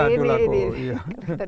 kita dengar lagi